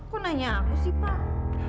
kok nanya aku sih pak